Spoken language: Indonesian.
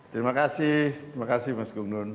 terima kasih terima kasih mas gun gun